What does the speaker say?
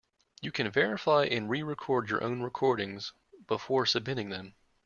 You can verify and re-record your own recordings before submitting them.